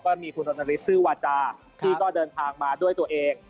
ก็มีคุณรณฤทธซื้อวาจาที่ก็เดินทางมาด้วยตัวเอง